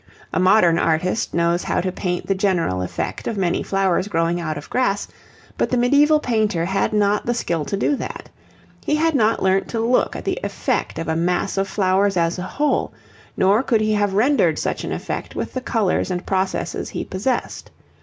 A modern artist knows how to paint the general effect of many flowers growing out of grass, but the medieval painter had not the skill to do that. He had not learnt to look at the effect of a mass of flowers as a whole, nor could he have rendered such an effect with the colours and processes he possessed.